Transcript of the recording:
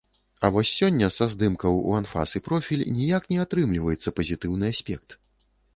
А вось сёння са здымкаў у анфас і профіль ніяк не атрымліваецца пазітыўны аспект.